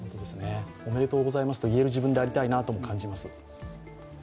おめでとうございますと言える自分でありたいとも感じます。